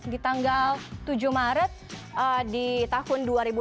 di tanggal tujuh maret di tahun dua ribu dua puluh